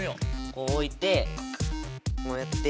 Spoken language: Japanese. こう置いてこうやって。